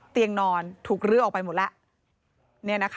เตียงนอนถูกลื้อออกไปหมดแล้ว